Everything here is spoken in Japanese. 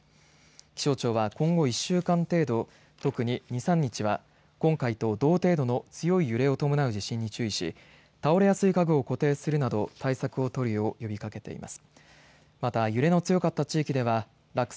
気象庁は今後１週間程度特に２、３日は今回と同程度の強い揺れを伴う地震に注意し倒れやすい家具を固定するなど対策を取るよう呼びかけています。